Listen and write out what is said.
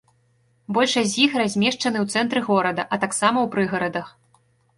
Большасць з іх размешчаны ў цэнтры горада, а таксама ў прыгарадах.